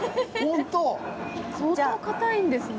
⁉相当かたいんですね。